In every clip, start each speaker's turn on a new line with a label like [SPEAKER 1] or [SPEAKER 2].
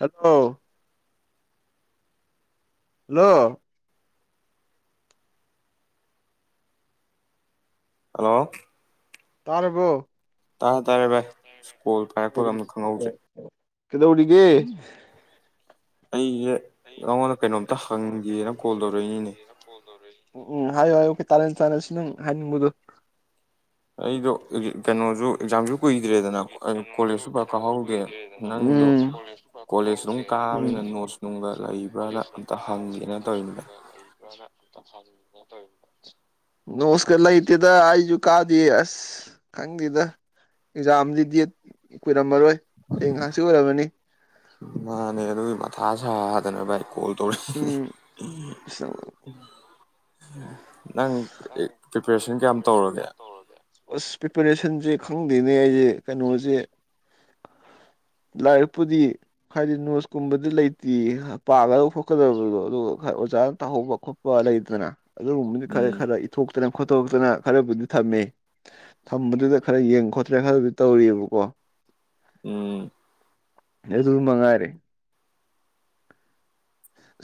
[SPEAKER 1] hello hello
[SPEAKER 2] hello
[SPEAKER 1] ꯇꯔꯕꯨꯣ
[SPEAKER 2] ꯇꯥꯔ ꯇꯥꯔꯦ ꯚꯥꯏ ꯁ꯭ꯀꯣꯜ ꯀꯥꯏꯔꯛꯄꯒ ꯑ ꯑꯃꯅ ꯈꯪꯍꯧꯗ꯭ꯔꯦ
[SPEAKER 1] ꯀꯩꯗꯧꯔꯤꯒꯦ ꯑꯩꯅ ꯄꯩꯅꯩꯅꯣꯗ ꯀꯣꯜꯗꯔꯦ ꯎꯝ ꯎꯝ ꯍꯥꯏꯌꯨ ꯍꯥꯏꯌꯨ ꯑꯣꯀꯦ ꯇꯥꯔ ꯇꯥꯔꯁꯤ ꯅꯪ ꯍꯥꯏꯅꯤꯡꯕꯗꯣ
[SPEAKER 2] ꯑꯩꯗꯣ ꯍꯧ ꯀꯩꯅꯣꯁꯨ
[SPEAKER 1] ꯑꯩꯁꯨ ꯀꯩꯅꯣꯁꯨ ꯑꯦꯛꯖꯥꯝꯁꯨ ꯀꯨꯏꯗꯦꯗꯅ ꯀꯣꯦ ꯈꯪꯍꯧꯗꯦ ꯀꯣꯂꯦꯖ ꯇꯥꯨꯝꯕ ꯂꯩꯕ ꯅꯣꯁꯀ ꯂꯩꯇꯦꯗ ꯑꯩꯁꯨ ꯀꯥꯗꯦ ꯑꯁ ꯈꯪꯗꯦꯗ ꯑꯦꯖꯝ ꯂꯤꯗꯤ ꯀꯣꯏ ꯅ ꯃꯔꯔ ꯑꯣꯏ ꯑꯩ ꯉꯥꯏꯍꯥꯛꯁꯤ ꯑꯣꯏꯔꯕꯅꯤ
[SPEAKER 2] ꯃꯥꯅꯦ ꯑꯗꯨ ꯃꯊꯥ ꯁꯥꯥ ꯐꯖꯅ ꯚꯥꯏ ꯀꯣꯜ ꯇꯧꯔꯦ ꯅꯪ
[SPEAKER 1] [unintelligible] ꯁꯦ ꯈꯪꯗꯦꯅꯦ ꯑꯩꯁꯦ ꯀꯩꯅꯣꯁꯦ ꯂꯥꯏꯔꯤꯛꯄꯨꯗꯤ ꯍꯥꯏꯗꯤ ꯅꯣꯁꯀꯨꯝꯕꯗꯤ ꯂꯩꯇꯦ ꯄꯥꯒꯗꯕ ꯈꯣꯠꯀꯗꯕꯗꯣ ꯑꯗꯨꯒ ꯑꯣꯖꯥꯅ ꯇꯥꯍꯧꯕ ꯈꯣꯠꯄ ꯂꯩꯗꯅ ꯑꯗꯨꯒꯨꯝꯕꯗꯤ ꯈꯔ ꯈꯔ ꯏꯊꯣꯛ ꯇꯩꯅꯦꯝꯝꯣꯇꯊꯨꯅ ꯈꯔꯕꯨꯗꯤ ꯊꯝꯃꯦ ꯊꯝꯕꯗꯨꯗ ꯈꯔ ꯌꯦꯡ ꯈꯣꯠꯇ꯭ꯔꯦ ꯈꯔꯕꯨꯗꯤ ꯇꯧꯔꯤꯑꯕꯀꯣ
[SPEAKER 2] ꯎꯝ
[SPEAKER 1] ꯑ ꯇꯃꯉꯥꯏꯔꯦ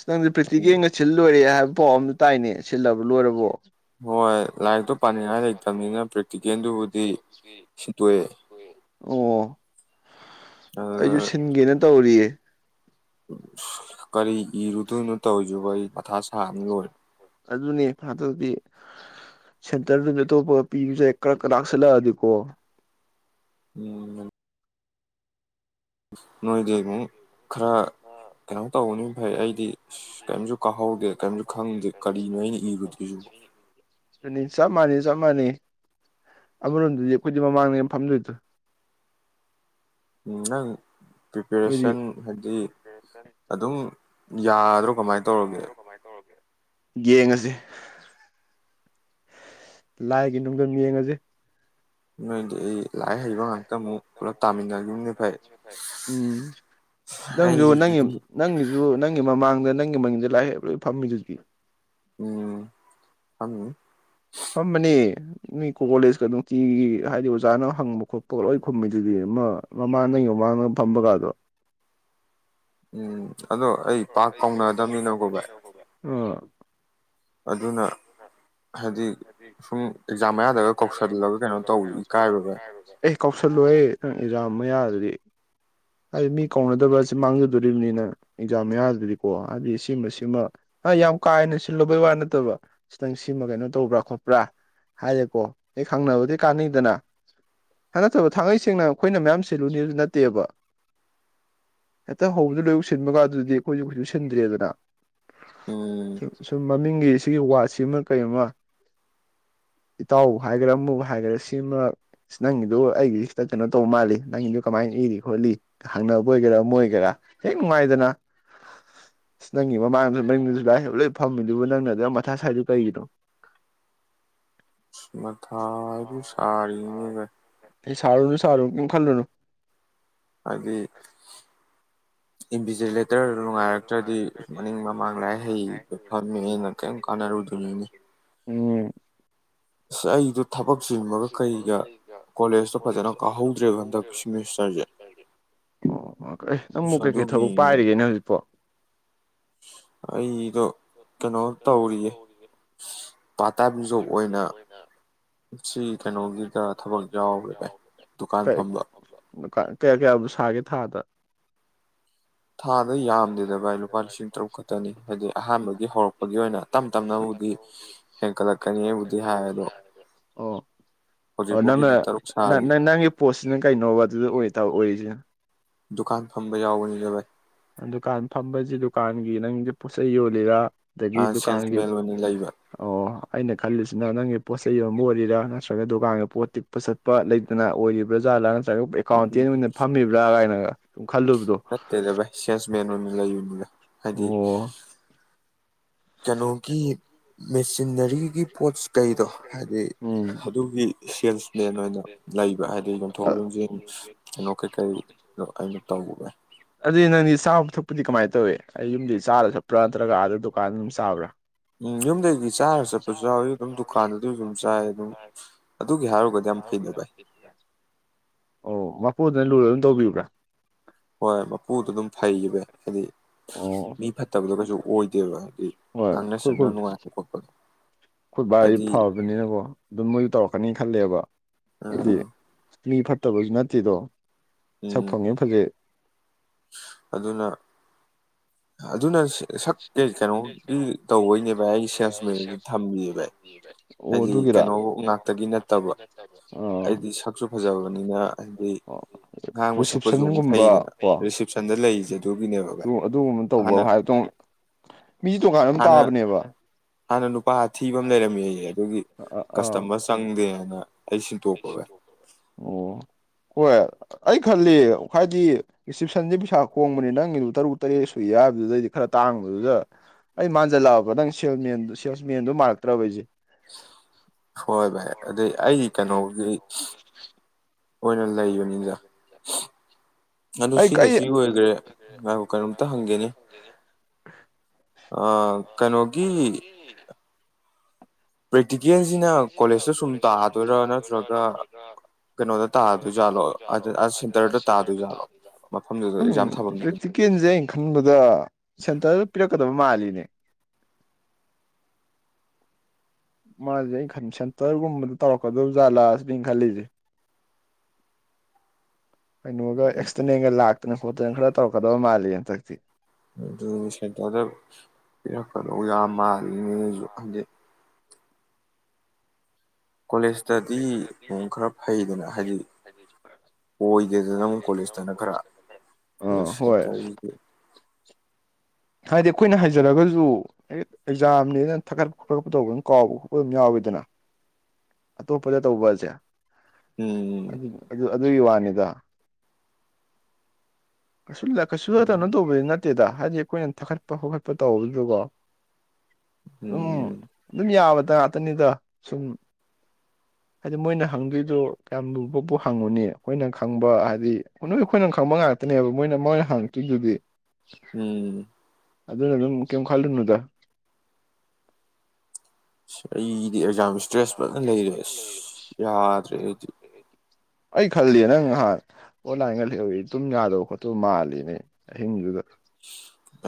[SPEAKER 1] ꯅꯪ ꯄ꯭ꯔꯤꯤꯒꯤꯡꯒ ꯁꯤꯜ ꯂꯣꯏꯔꯦ ꯍꯥꯏꯕ ꯄꯣ ꯑꯝꯇ ꯇꯥꯏꯅꯦ ꯁꯤꯜꯂꯕ ꯂꯣꯏꯔꯕꯣ
[SPEAKER 2] ꯍꯣꯏ ꯂꯥꯏꯔꯤꯛꯇꯣ ꯄꯥꯅꯤꯡꯉꯥꯏ ꯂꯩꯇꯕꯅꯤꯅ ꯄꯔꯤ
[SPEAKER 1] ꯑꯣ ꯑꯩꯁꯨ ꯁꯤꯟꯒꯦꯅ ꯇꯧꯔꯤꯌꯦ
[SPEAKER 2] ꯀꯔꯤ ꯏꯔꯨꯇꯨꯅꯠꯇꯧꯁꯨ ꯀꯔꯤ ꯃꯊ
[SPEAKER 1] ꯑꯗꯨꯅꯦ ꯐꯥꯗꯗꯤ ꯁꯦꯟꯇꯔꯗꯨꯇꯣꯞꯄ ꯄꯤꯕꯁꯦ ꯀꯔ ꯂꯥꯛꯁꯤꯜꯂꯛꯑꯗꯤꯀꯣ
[SPEAKER 2] ꯎꯝ ꯅꯣꯏꯗꯤ ꯑꯃꯨꯛ ꯈꯔ ꯀꯩꯅꯣ ꯇꯧꯒꯅꯤ ꯐꯩ ꯑꯩꯗꯤ ꯀꯔꯤꯝꯁꯨ ꯀꯥꯍꯧꯗꯦ ꯀꯔꯤꯝꯁꯨ ꯈꯪꯗꯦ ꯀꯔꯤꯅꯣ ꯑꯩꯅ ꯏꯔꯕꯗꯨꯁꯨ
[SPEAKER 1] ꯑꯗꯨꯅꯤ ꯆꯞ ꯃꯥꯟꯅꯩ ꯆꯞ ꯃꯥꯟꯩ ꯑꯃꯔꯣꯝꯗꯗꯤ ꯑꯩꯈꯣꯏꯗꯤ ꯃꯃꯥꯡꯗ ꯐꯝꯗꯣꯏꯗꯣ
[SPEAKER 2] ꯎꯝꯗꯪ ꯄ꯭ꯔꯤꯄꯦꯔꯦꯁꯟ ꯍꯥꯏꯗꯤ ꯑꯗꯨꯝ ꯌꯥꯗ꯭ꯔꯣ ꯀꯃꯥꯏꯅ ꯇꯧꯔꯒꯦ
[SPEAKER 1] ꯌꯦꯡꯉꯁꯤ ꯂꯥꯏꯒꯤ ꯅꯨꯡꯊ ꯌꯦꯡꯉꯁꯦ
[SPEAKER 2] ꯅꯣꯏ ꯂꯥꯏ ꯍꯥꯏꯕ ꯍ
[SPEAKER 1] ꯎꯝ ꯅꯪꯁꯨ ꯅꯪꯒꯤ ꯅꯪꯒꯤꯁꯨ ꯅꯪꯒꯤ ꯃꯃꯥꯡꯗ ꯅꯪꯒꯤ ꯃꯪꯁꯦ ꯂꯥꯛꯑꯦ ꯂꯣꯏ ꯐꯝꯃꯤꯗꯨ
[SPEAKER 2] ꯎꯝ ꯍꯪ
[SPEAKER 1] ꯐꯝꯕꯅꯤ ꯅꯣꯏꯣ ꯀꯣꯂꯦꯖꯀ ꯅꯨꯡꯇꯤꯒꯤ ꯍꯥꯏꯗꯤ ꯑꯣꯖꯥꯅ ꯍꯪꯕ ꯈꯣꯠꯄꯒ ꯂꯣꯏ ꯈꯨꯝꯃꯤꯗꯨꯗꯤ ꯃꯃꯥꯅ ꯃꯃꯥꯡꯅ ꯐꯝꯕꯒꯗꯣ
[SPEAKER 2] ꯎꯝ ꯑꯗꯣ
[SPEAKER 1] ꯑꯣ ꯑꯩ ꯄꯥꯛ ꯀꯥꯎꯅꯒꯗꯕꯅꯤꯅ ꯎ
[SPEAKER 2] ꯑꯗꯨꯅ ꯍꯥꯏꯗꯤ ꯁꯨꯝ ꯑꯦꯛꯖꯥꯝ ꯃꯌꯥꯗꯒ ꯀꯧꯁꯤꯜꯂꯒ ꯀꯩꯅꯣ ꯇꯧ ꯏꯀꯥꯏꯕꯒ
[SPEAKER 1] ꯀꯧꯁꯜꯂꯣꯏꯑꯦ ꯅꯪ ꯑꯦꯛꯖꯥꯝ ꯃꯌꯥꯗꯗꯤ ꯍꯥꯏꯗꯤ ꯃꯤ ꯀꯧꯅꯗꯕ ꯑꯁꯤ ꯃꯥꯡꯖꯗꯣꯔꯤꯕꯅꯤ ꯅꯪ ꯑꯦꯛꯖꯥꯝ ꯃꯌꯥꯗꯗꯤ ꯑꯗꯨꯗꯤꯀꯣ ꯍꯥꯏꯗꯤ ꯁꯤꯃ ꯁꯤꯃ ꯌꯥꯝ ꯀꯥ ꯍꯦꯟꯅ ꯁꯤꯜꯂꯨꯕꯩ ꯋꯥ ꯅꯠꯇꯕ ꯈꯤꯇꯪ ꯁꯤꯃ ꯀꯩꯅꯣ ꯇꯧꯕ꯭ꯔꯥ ꯈꯣꯠꯄ꯭ꯔꯥ ꯍꯥꯏꯔꯦꯀꯣ ꯑꯩ ꯈꯪꯅꯕꯗꯤ ꯀꯥꯅꯤꯡꯗꯅ ꯅꯠꯇꯕ ꯊꯥꯡꯉꯩ ꯁꯦꯡꯅ ꯑꯩꯈꯣꯏꯅ ꯃꯌꯥꯝ ꯁꯤꯜꯂꯨꯅꯤꯁꯨ ꯅꯠꯇꯦꯕ ꯍꯦꯛꯇ ꯍꯧꯕꯗꯨ ꯂꯣꯏꯌ ꯁꯤꯟꯕꯒ ꯑꯗꯨꯗꯤ ꯑꯩꯈꯣꯏꯁꯨꯛ ꯍꯧꯖꯤꯛ ꯁꯤꯟꯗ꯭ꯔꯦꯗꯅ
[SPEAKER 2] ꯎꯝ
[SPEAKER 1] ꯃꯃꯤꯡꯒꯤ ꯁꯤꯒꯤ ꯋꯥꯠꯁꯤꯃ ꯀꯔꯤꯃ ꯏꯇꯥꯎ ꯍꯥꯏꯒꯦꯔꯥ ꯑꯃꯨꯕ ꯍꯥꯏꯒꯦꯔꯥ ꯁꯤꯃ ꯅꯪꯒꯤꯗꯨ ꯑꯩꯒꯤ ꯈꯤꯇ ꯀꯩꯅꯣ ꯇꯧꯕ ꯃꯥꯜꯂꯤ ꯅꯪꯒꯤꯗꯨ ꯀꯃꯥꯏꯅ ꯏꯔꯤ ꯈꯣꯠꯂꯤ ꯍꯪꯅꯕ ꯑꯣꯏꯒꯦꯔꯥ ꯑꯃ ꯑꯣꯏꯒꯦꯔꯥ ꯍꯦꯛ ꯅꯨꯡꯉꯥꯏꯗꯅ ꯑꯁ ꯅꯪꯒꯤ ꯃꯃꯥꯡꯁꯨ ꯃꯅꯤꯡꯗꯨꯁꯨ ꯚꯥꯏ ꯂꯣꯏ ꯐꯝꯃꯤꯗꯨꯕꯨ ꯅꯪꯅ ꯑꯗꯨ ꯃꯊꯥ ꯁ꯭ꯥꯏꯗꯨ ꯀꯩꯒꯤꯅꯣ
[SPEAKER 2] ꯃꯊꯥꯏꯕꯨ ꯁꯥꯔꯤꯅꯦꯕ
[SPEAKER 1] ꯁꯔꯨꯅ ꯁꯔꯨ ꯀ ꯈꯜꯂꯨꯅ
[SPEAKER 2] ꯍꯥꯏꯗꯤ ꯏꯟꯚꯤꯖꯤꯂꯦꯇꯔ ꯅꯨꯡꯉꯥꯏꯔꯛꯇ꯭ꯔꯗꯤ ꯃꯅꯤꯡ ꯃꯃꯥꯡ ꯂꯥꯏꯔꯤ ꯍꯩꯕ ꯐꯝꯃꯦꯅ ꯀꯔꯤꯝ ꯀꯥꯟꯅꯔꯨꯗꯣꯏꯅꯤꯅꯦ
[SPEAKER 1] ꯎꯝ ꯊꯕꯛꯁꯤꯡ ꯃꯔ ꯀꯩꯒ ꯀꯣꯂꯦꯖꯇ ꯐꯖꯅ ꯀꯥꯍꯧꯗ꯭ꯔꯦ ꯍꯥꯏ ꯑꯃꯃꯛ ꯀꯩ ꯊꯧꯕꯛ ꯄꯥꯏꯔꯤꯒꯦꯅꯦ ꯍꯧꯖꯤꯛꯄꯣ
[SPEAKER 2] ꯑꯩ ꯑꯗꯣ ꯀꯩꯅꯣ ꯇꯧꯔꯤꯌꯦ ꯄꯥꯔꯠ ꯇꯥꯏꯝ ꯖꯣꯕ ꯑꯣꯏꯅ ꯁꯤ ꯀꯩꯅꯣꯒꯤꯗ ꯊꯕꯛ ꯌꯥꯎꯈ꯭ꯔꯦ ꯚꯥꯏ ꯗꯨꯀꯥꯟ ꯐꯝꯕ
[SPEAKER 1] ꯀꯌꯥ ꯀꯌꯥ ꯁꯥꯒꯦ ꯊꯥꯗ
[SPEAKER 2] ꯊꯥꯗ ꯌꯥꯝꯗꯦꯗ ꯚꯥꯏ ꯂꯨꯄꯥ ꯂꯤꯁꯤꯡ ꯇꯔꯨꯛ ꯈꯛꯇꯅꯤ ꯍꯥꯏꯗꯤ ꯑꯍꯥꯟꯕꯒꯤ ꯍꯧꯔꯛꯄꯒꯤ ꯑꯣꯏꯅ ꯇꯞ ꯇꯞꯅꯕꯨꯗꯤ ꯍꯦꯟꯀꯠꯂꯛꯀꯅꯤꯕꯨꯗꯤ ꯍꯥꯏ ꯑꯗꯣ
[SPEAKER 1] ꯑꯣ ꯑꯣ ꯅꯪꯅ ꯅꯪꯒꯤ ꯄꯣꯠꯁꯤꯅ ꯀꯩꯅꯣꯕ ꯑꯗꯨꯗ ꯑꯣꯏꯔꯤꯁꯤ ꯗꯨꯀꯥꯟ ꯐꯁ ꯗꯨꯀꯥꯟ ꯅꯪ ꯇꯩ ꯌꯣ ꯂꯩꯒ ꯑꯗꯒꯤ ꯗꯨꯀꯥꯟꯒꯤ ꯑꯣ ꯑꯩꯅ ꯈꯜꯂꯤꯁꯤꯅ ꯅꯪꯒꯤ ꯄꯣꯠ ꯆꯩ ꯌꯣꯟꯝꯕ ꯑꯣꯏꯔꯤꯔꯥ ꯅꯠꯇ꯭ꯔꯒ ꯗꯨꯀꯥꯟꯗ ꯄꯣꯠ ꯇꯤꯛꯄ ꯆꯠꯄ ꯂꯩꯇꯅ ꯑꯣꯏꯔꯤꯕ꯭ꯔꯥꯖꯥꯔ ꯂꯥ ꯁꯔꯨꯛ ꯑꯦꯀꯥꯎꯟꯇꯦꯟ ꯑꯣꯏꯅ ꯐꯝꯃꯤꯕ꯭ꯔꯥ ꯀꯥꯏꯅꯒ
[SPEAKER 2] ꯅꯠꯇꯦꯗꯕꯁꯁ ꯃꯅ ꯂꯩ ꯌꯅꯤꯗ ꯍꯥꯏꯗꯤ ꯀꯩꯅꯣꯒꯤ ꯃꯦꯆꯤꯟꯅꯔꯤꯒꯤ ꯄꯣꯠ ꯀꯩꯗꯣ ꯍꯥꯏꯗꯤ ꯑꯗꯨꯒꯤ ꯁꯦꯜꯁꯃꯦꯟ ꯑꯣꯏꯅ ꯂꯩꯕ ꯍꯥꯏꯗꯤ ꯌꯣꯟꯊꯣꯛ ꯌꯣꯟꯁꯤꯟ ꯀꯩꯅꯣ ꯀꯩꯀꯩꯗꯣ ꯑꯩꯅ ꯇꯏ
[SPEAKER 1] ꯑꯗꯨ ꯅꯪꯗꯤ ꯆꯥꯕꯛ ꯊꯛꯄꯗꯤ ꯀꯃꯥꯏꯅ ꯇꯧꯏꯤ ꯑꯩ ꯌꯨꯝꯗꯤ ꯆꯥꯔ ꯊꯛꯄ꯭ꯔꯥ ꯅꯠꯇ꯭ꯔꯒ ꯑꯗꯨ ꯗꯨꯀꯥꯟ ꯑꯗꯨꯝ ꯆꯥꯎꯕ꯭ꯔꯥ
[SPEAKER 2] ꯎꯝ ꯌꯨꯝꯗꯒꯤ ꯆꯥꯔꯒ ꯆꯠꯄꯁꯨ ꯌꯥꯎꯋꯤ ꯑꯗꯨꯝ ꯗꯨꯀꯥꯟ ꯑꯗꯨꯁꯨ ꯑꯗꯨꯝ ꯆꯥꯏ ꯑꯗꯨꯝ ꯑꯗꯨꯒꯤ ꯍꯥꯏꯔ
[SPEAKER 1] ꯍꯔ ꯀꯖ ꯑꯣ ꯑꯣ ꯃꯄꯨꯗꯨꯅ ꯂꯨꯔꯔ ꯑꯗꯨꯝ ꯇꯧꯕꯤꯕ꯭ꯔꯥ
[SPEAKER 2] ꯍꯣꯏ ꯃꯄꯨꯗꯨꯣ ꯑꯗꯨꯝ ꯐꯩꯈꯤꯕ ꯍꯥꯏꯗꯤ ꯃꯤ ꯐꯠꯇꯕꯗꯣ ꯀꯩꯁꯨ ꯑꯣꯏꯗꯦꯕ ꯍꯥꯏꯕꯗꯤ ꯉꯥꯡꯅ ꯁꯛꯅ ꯅꯨꯡꯉꯥꯏꯕ ꯈꯣꯠꯄꯗꯣ
[SPEAKER 1] ꯑꯩꯈꯣꯏ ꯕꯥ ꯐꯕꯅꯤꯅꯀꯣ ꯑꯗꯨꯝ ꯃꯣꯏ ꯇꯧꯔꯛꯄ ꯀꯀꯅꯤ ꯈꯜꯂꯦꯕ
[SPEAKER 2] ꯑ
[SPEAKER 1] ꯃꯤ ꯐꯠꯇꯕꯁꯨ ꯅꯠꯇꯦꯗꯣ ꯁꯛꯐꯝꯪꯅꯤ ꯐꯖꯩ
[SPEAKER 2] ꯑꯗꯨꯅ ꯑ ꯑꯗꯨꯅ ꯁꯛ ꯀꯩ ꯀꯩꯅꯣꯒꯤ ꯇꯧꯕꯩꯅꯦ ꯚꯥꯏ ꯑꯩ ꯁꯦꯜꯁꯃꯦꯟꯗ ꯊꯝꯃꯤ ꯚꯥꯏ ꯍꯥꯏꯗꯤ ꯀꯩꯅꯣ ꯉꯥꯛꯇꯒꯤ ꯅꯠꯇꯕ ꯑꯩꯗꯤ ꯁꯛꯁꯨ ꯐꯖꯕꯅꯤꯅ ꯍꯥꯏꯗꯤ ꯉꯥꯡꯕ ꯁꯛꯄꯁꯨ ꯑꯃꯨꯛ ꯐꯩꯗꯅ ꯔꯤꯁꯤꯞꯁꯟꯗ ꯂꯩꯔꯤꯁꯦ ꯑꯗꯨꯒꯤꯅꯦꯕ ꯚꯥꯏ
[SPEAKER 1] ꯇꯧꯕ ꯍꯥꯏꯕꯗꯣ ꯃꯤꯁꯨ ꯗꯨꯀꯥꯟ ꯑꯃ ꯇꯥꯕꯅꯦꯕ
[SPEAKER 2] ꯍꯅ ꯄꯄꯥꯊꯤꯕ ꯑꯃ ꯂꯩꯔꯝꯃꯤ ꯑꯩ ꯑꯗꯨꯒꯤ ꯀꯁꯇꯃꯔ ꯆꯪꯗꯦꯅ ꯑꯩ ꯁꯤꯟꯇꯣꯛꯄꯒ
[SPEAKER 1] ꯍꯣꯏ ꯑꯩ ꯈꯜꯂꯤ ꯍꯥꯏꯗꯤ ꯔꯤꯁꯤꯞꯁꯟꯁꯦ ꯄꯩꯁꯥ ꯈꯣꯡꯕꯅꯤ ꯅꯪꯒꯤ ꯇꯔꯨꯛ ꯇꯔꯦꯠ ꯁꯨꯏ ꯍꯥꯏꯕꯗꯨꯗꯩꯗꯤ ꯈꯔ ꯇꯥꯡꯕꯗꯨꯗ ꯑꯩ ꯃꯥꯟꯖꯜꯂꯛꯑꯕ ꯅꯪ ꯁꯦꯜꯃꯦꯟꯗꯨ ꯁꯦꯜꯁꯃꯦꯟꯗꯣ ꯃꯥ ꯑꯠꯇ꯭ꯔꯦ
[SPEAKER 2] ꯍꯣꯏ ꯚꯥꯏ ꯑꯗꯨꯩ ꯑꯩꯒꯤ ꯀꯩꯅꯣꯒꯤ
[SPEAKER 1] ꯑꯩꯣꯏꯅ ꯂꯩꯒꯅꯤ ꯌꯥ
[SPEAKER 2] ꯑꯗꯨ ꯁꯤꯅ ꯁꯤ ꯑꯣꯏꯈ꯭ꯔꯦꯕꯨ ꯀꯩꯅꯣꯝꯇ ꯍꯪꯒꯦꯅꯤ ꯑ ꯀꯩꯅꯣꯒꯤ
[SPEAKER 1] ꯄ꯭ꯔꯦꯤꯀꯦꯜꯁꯤꯅ ꯀꯣꯂꯦꯖꯇ ꯁꯨꯝ ꯇꯥꯗꯣꯏꯔꯥ ꯅꯠꯇ꯭ꯔꯒ ꯀꯩꯅꯣꯗ ꯇꯥꯗꯣꯏꯥꯠꯂꯗꯣꯏꯠꯂꯁ ꯈꯪꯕꯗ ꯁꯦꯟꯇꯔꯗ ꯄꯤꯔꯛꯀꯗꯕ ꯃꯥꯜꯂꯤꯅꯦ ꯃꯥꯁꯦ ꯑꯩꯅ ꯈ ꯁꯦꯟꯇꯔꯒꯨꯝꯕꯗ ꯇꯧꯔꯛꯀꯗꯕ ꯖꯥꯠꯂꯥꯁꯅꯦ ꯈꯜꯂꯤꯁꯦ ꯀꯩꯅꯣꯒ ꯑꯦꯛꯁꯇꯅꯦꯒ ꯂꯥꯛꯦ ꯍꯣꯅ ꯈ ꯇꯧꯛꯀꯗꯕ ꯃꯥꯜꯂꯤ ꯑꯦꯟꯤ
[SPEAKER 2] ꯑꯗꯨ ꯁꯦꯟꯇꯔꯗ ꯄꯤꯔꯛꯄꯗꯣ ꯌꯥꯝ ꯃꯥꯜꯂꯤꯅꯦꯁꯨ ꯍꯥꯏꯗꯤ ꯀꯣꯂꯦꯖꯇꯗꯤ ꯑꯃꯛ ꯈꯔ ꯐꯩꯗꯅ ꯍꯥꯏꯗꯤ ꯑꯣꯏꯗꯦꯗꯅ ꯑꯃꯨꯛ ꯀꯣꯂꯦꯖꯇꯅ ꯈꯔ ꯑꯗꯨ ꯁꯦꯟꯇꯔꯁꯤꯗꯤ
[SPEAKER 1] ꯍꯥꯏꯗꯤ ꯑꯩꯈꯣꯏꯅ ꯍꯩꯖꯔꯒꯁꯨ ꯍ ꯑꯦꯛꯖꯥꯝꯅꯦꯅ ꯊꯥꯒꯠꯄ ꯈꯣꯀꯠꯄ ꯇꯧꯕ ꯑꯗꯨꯝ ꯀꯥꯎꯕ ꯈꯣꯠꯄ ꯑꯗꯨꯝ ꯌꯥꯎꯋꯦꯗꯅ ꯑꯇꯣꯞꯄꯗ ꯇꯧꯕ ꯑꯁꯦ ꯑꯗꯨ ꯑꯗꯨ ꯑꯗꯨꯒꯤ ꯋꯥꯅꯤ ꯗ ꯀꯩꯁꯨ ꯀꯩꯁꯨꯗ ꯀꯩꯅꯣ ꯇꯧꯕꯗꯤ ꯅꯠꯇꯦ ꯇꯦꯗ ꯍꯥꯏꯗꯤ ꯑꯩꯈꯣꯏꯅ ꯊꯥꯒꯠꯄ ꯈꯣꯀꯠꯄ ꯇꯧꯕꯗꯨꯒꯣ ꯎꯝ ꯑꯗꯨꯝ ꯌꯥꯕ ꯉꯇ ꯉꯥꯛꯇꯅꯤꯗ ꯁꯨꯝ ꯍꯥꯏꯗꯤ ꯃꯣꯏꯅ ꯍꯪꯗꯣꯏꯗꯨꯣ ꯌꯥꯝ ꯂꯨꯕꯄꯨ ꯍꯪꯉꯨꯅꯤ ꯑꯩꯈꯣꯏꯅ ꯈꯪꯕ ꯍꯥꯏꯗꯤ ꯅꯣꯏ ꯑꯩꯈꯣꯏꯅ ꯈꯪꯕ ꯉꯥꯛꯇꯅꯦꯕ ꯃꯣꯏꯅ ꯃꯣꯏꯅ ꯍꯪꯉꯛꯇꯣꯏꯗꯨꯗꯤ
[SPEAKER 2] ꯎꯝ
[SPEAKER 1] ꯑꯗꯨꯅ ꯑꯗꯨꯝ ꯀꯩꯝ ꯈꯜꯂꯨꯅꯨꯗ
[SPEAKER 2] ꯑꯩꯗꯤ ꯑꯦꯛꯖꯥ ꯏꯁꯇ꯭ꯔꯦꯁ ꯐꯖꯅ ꯂꯩꯔꯦ ꯑꯁ ꯌꯥꯗ꯭ꯔꯦ ꯑꯩꯗꯤ
[SPEAKER 1] ꯑꯩ ꯈꯜꯂꯤ ꯅꯪ ꯉꯍꯥꯟ ꯑꯣꯟꯂꯥꯏꯟꯒ ꯂꯩꯍꯧꯏ ꯑꯗꯨꯝ ꯌꯥꯗꯕ ꯈꯣꯠꯇꯧ ꯃꯥꯜꯂꯤꯅꯦ ꯑꯍꯤꯡꯗꯨꯗ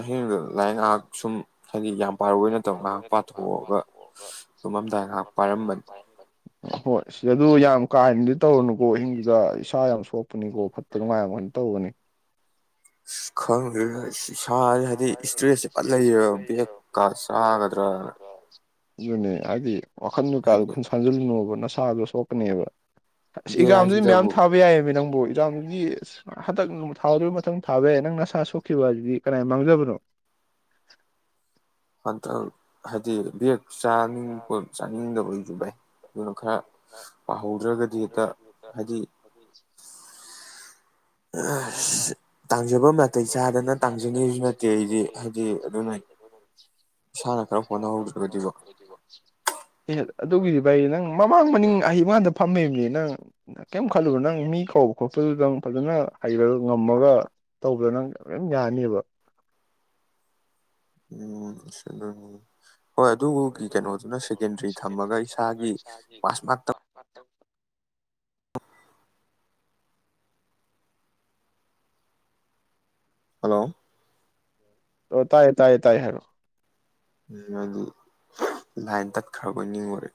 [SPEAKER 2] ꯑꯍꯤꯡꯗꯨ ꯂꯥꯏꯛ ꯉꯥꯏꯍꯥꯛ ꯁꯨꯝ ꯍꯥꯏꯗꯤ ꯌꯥꯝ ꯄꯥꯏꯔꯛꯑꯣꯏ ꯅꯠꯇꯕ ꯉꯥꯏꯍꯥꯛ ꯄꯥꯊꯣꯛꯑꯒ ꯅꯨꯝꯃꯝꯗꯥꯏ ꯉꯥꯏꯍꯥꯛ ꯄꯥꯏꯔꯝꯕꯅꯤ
[SPEAKER 1] ꯍꯣꯏ ꯁꯤꯗ ꯑꯗꯨ ꯌꯥꯝ ꯀꯥ ꯍꯅꯗꯤ ꯇꯧꯔꯅꯨꯀꯣ ꯏꯍꯤꯡꯗꯨꯗ ꯏꯁꯥ ꯌꯥꯝ ꯁꯣꯛꯄꯅꯤꯀꯣ ꯐꯠꯇ ꯅꯨꯡꯉꯥꯏꯅ ꯇꯧꯕꯒꯅꯤ
[SPEAKER 2] ꯈꯪꯦ ꯏꯁꯥꯁꯦ ꯍꯥꯏꯗꯤ ꯏꯁꯇ꯭ꯔꯦꯁꯁꯦ ꯐꯠ ꯂꯩꯌꯦꯕ ꯕꯦꯦꯛꯀ ꯆꯥꯒꯗ꯭ꯔꯥꯅ
[SPEAKER 1] ꯌꯨꯅꯦ ꯍꯥꯏꯗꯤ ꯋꯥꯈꯟꯗꯨ ꯀꯥꯗꯨ ꯈꯟ ꯁꯥꯖꯜꯂꯅꯣꯕꯅ ꯁꯥꯥꯗꯣ ꯁꯣꯛꯀꯅꯦꯕ ꯑ ꯑꯦꯛꯖꯥꯝꯗꯨꯗꯤ ꯃꯌꯥꯝ ꯊꯥꯕ ꯌꯥꯏꯌꯦꯕ ꯅꯪ ꯏꯔꯥꯡꯗꯨꯗꯤ ꯍꯟꯛ ꯊꯥꯎꯗꯣꯏꯩ ꯃꯊꯪ ꯊꯥꯕ ꯌꯥꯏ ꯅꯪ ꯅꯁꯥ ꯁꯣꯛꯈꯤꯕ ꯍꯥꯏ ꯑꯗꯨꯗꯤ ꯀꯗꯥꯏ ꯃꯥꯡꯖꯕꯅꯣ
[SPEAKER 2] ꯍ ꯍꯖꯤ ꯕꯦꯒ ꯆꯥꯅꯤꯡ ꯄꯣꯠ ꯆꯥꯅꯤꯡꯗꯕ ꯑꯣꯏꯁꯨꯕꯏ ꯑꯗꯨꯅ ꯈꯔ ꯄꯥꯍꯧꯗ꯭ꯔꯒꯗꯤ ꯍꯦꯛꯇ ꯍꯥꯏꯗꯤ ꯇꯥꯡꯖꯕ ꯇꯩ ꯆꯥꯗꯅ ꯇꯥꯡꯖꯅꯤꯡꯕꯁꯨ ꯅꯠꯇꯦ ꯑꯩꯗꯤ ꯍꯥꯏꯗꯤ ꯑꯗꯨꯅ ꯏꯁꯥꯅ ꯈꯔ ꯍꯣꯠꯅꯍꯧꯗ꯭ꯔꯒꯗꯤꯕ
[SPEAKER 1] ꯑꯦ ꯑꯗꯨꯒꯤꯗꯤ ꯚꯥꯏ ꯅꯪ ꯃꯃꯥꯡ ꯃꯅꯤꯡ ꯑꯍꯩ ꯃꯗ ꯐꯝꯃꯤꯕꯅꯤ ꯅꯪ ꯀꯔꯤꯝ ꯈꯜꯂꯨꯕꯣ ꯅꯪ ꯃꯤ ꯀꯧꯕ ꯈꯣꯠꯄꯗꯨ ꯅꯪ ꯐꯖꯅ ꯍꯩꯕ ꯉꯝꯃꯒ ꯇꯧꯕꯗꯣ ꯅꯪꯝ ꯌꯥꯅꯤꯕ
[SPEAKER 2] ꯎ ꯁꯤꯗ ꯍꯣꯏ ꯑꯗꯨꯒꯤ ꯀꯩꯅꯣꯗꯨꯅ ꯁꯦꯀꯦꯟꯗꯔꯤ ꯊꯝꯃꯒ ꯏꯁꯥꯒꯤ ꯄꯥꯁ ꯃꯥꯔꯛ ꯍꯜꯂꯣ
[SPEAKER 1] ꯑꯣ ꯇꯥꯏ ꯇꯥꯏꯌꯦ ꯇꯥꯏ ꯍꯥꯏꯔꯣ
[SPEAKER 2] ꯎ ꯍꯥꯏꯗꯤ ꯂꯥꯏꯟ ꯇꯠꯈ꯭ꯔꯕꯣꯏ ꯅꯤꯡꯉꯨꯔꯦ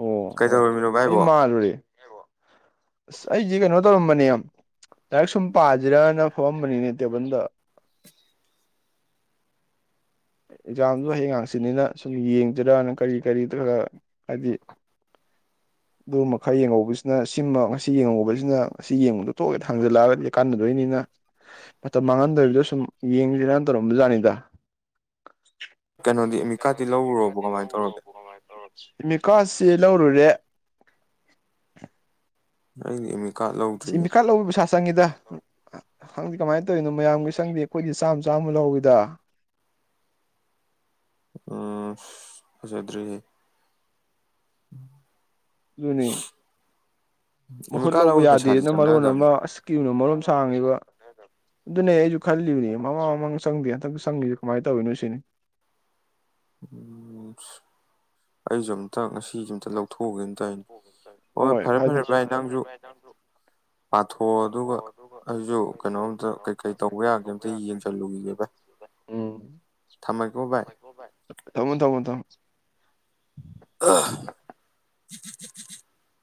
[SPEAKER 1] ꯑꯣ ꯍꯣꯏ ꯑꯩ ꯃꯥꯂꯨꯔꯦ ꯑꯁ ꯑꯩꯁꯦ ꯀꯩꯅꯣ ꯇꯧꯔꯝꯕꯅꯦ ꯌꯥꯝ ꯂꯥꯏꯔꯤꯛ ꯁꯨꯝ ꯄꯥꯁꯤꯔꯅ ꯐꯥꯎꯑꯝꯕꯅꯤꯅꯦ ꯇꯦꯕꯜꯗ ꯑꯦꯛꯖꯥꯝꯗꯣ ꯍꯌꯦꯡ ꯉꯥꯡꯁꯤꯅꯤꯅ ꯁꯨꯝ ꯌꯦꯡꯗꯔꯅ ꯀꯔꯤ ꯀꯔꯤ ꯈ ꯈꯔ ꯍꯥꯏꯗꯤ ꯑꯗꯨ ꯃꯈꯔ ꯌꯦꯡꯍꯧꯕꯁꯤꯅ ꯁꯤꯃ ꯉꯁꯤ ꯌꯦꯡꯍꯧꯕꯁꯤꯅ ꯉꯁꯤ ꯌꯦꯡꯉꯨꯗꯣ ꯇꯣꯛꯑꯦ ꯊꯥꯡꯖꯜꯂꯛꯑꯒ ꯀꯥꯟꯅꯗꯣꯏꯅꯤꯅ ꯃꯇꯝ ꯃꯥꯡꯍꯟꯗꯣꯏꯔꯤꯕꯗꯣ ꯁꯨꯝ ꯌꯦꯡꯁꯤꯔꯅ ꯇꯧꯔꯝꯗꯖꯥꯠꯅꯤꯗ ꯀꯩꯅꯣꯗꯤ ꯑꯃꯀꯥꯗꯤ ꯂꯧꯔꯣꯕ ꯀꯃꯥꯏꯅ ꯇꯧꯔ ꯀꯥꯁꯤ ꯂꯧꯔꯨꯔꯦ
[SPEAKER 2] ꯑꯩꯃꯤ ꯀꯥ ꯂꯧꯗ꯭ꯔꯤꯅꯦ
[SPEAKER 1] ꯆꯪꯉꯤꯗ ꯍꯪꯗꯤꯦ ꯀꯃꯥꯏꯅ ꯇꯧꯔꯤꯅꯣ ꯃꯌꯥꯝꯒꯤ ꯁꯪꯗꯦ ꯑꯩꯈꯣꯏꯗꯤ ꯆꯥꯝꯃ ꯆꯥꯝꯃ ꯂꯧꯋꯏꯗ
[SPEAKER 2] ꯎꯝ ꯐ ꯑꯗꯨꯦ ꯎꯝ
[SPEAKER 1] ꯑꯗꯨꯅꯤ ꯃꯍꯨꯠ ꯂꯧꯕ ꯌꯥꯗꯦꯗꯅ ꯃꯔꯣꯟ ꯑꯃ ꯑꯁꯀꯤ꯭ꯌꯨꯅ ꯃꯔꯣ ꯁꯥꯡꯉꯤꯕ ꯑꯗꯨꯅꯦ ꯑꯩꯁꯨ ꯈꯜꯂꯤꯕꯅꯦ ꯃꯃꯥꯡ ꯃꯃꯥꯡ ꯆꯪꯗꯦ ꯍꯟꯇꯪ ꯁꯪꯉꯤꯁꯤ ꯀꯃꯥꯏꯅ ꯇꯧꯋꯅꯣ ꯁꯤꯅꯤ
[SPEAKER 2] ꯎꯝ ꯑꯩꯁꯨ ꯑꯝꯇꯪꯉꯁꯤ
[SPEAKER 1] ꯊꯣꯛ ꯐꯔꯦ ꯐꯔꯦ ꯚꯥꯏ ꯅ ꯅꯪꯁꯨ ꯂꯊꯑꯣ ꯑꯗꯨꯒ ꯑꯩꯁꯨ ꯀꯩꯅꯣꯝꯇ ꯀꯩꯀꯩ ꯇꯧꯕ ꯌꯥꯒꯅꯤ ꯎ ꯊꯝꯃꯀꯣ ꯚꯥꯏ ꯊꯝꯃꯣ ꯊꯝꯃꯣ ꯊꯝꯃꯣ
[SPEAKER 2] ꯑ ꯎ ꯎ ꯎ ꯎ ꯎ